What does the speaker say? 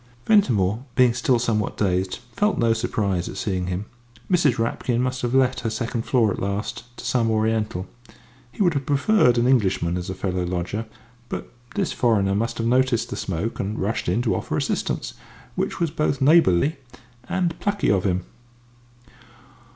Ventimore, being still somewhat dazed, felt no surprise at seeing him. Mrs. Rapkin must have let her second floor at last to some Oriental. He would have preferred an Englishman as a fellow lodger, but this foreigner must have noticed the smoke and rushed in to offer assistance, which was both neighbourly and plucky of him.